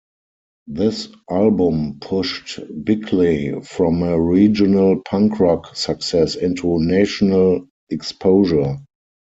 This album pushed Bickley from a regional punk rock success into national exposure.